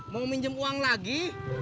mau minjem uang lagi